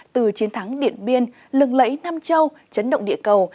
từ chiến thắng điện biên lừng lẫy nam châu chấn động địa cầu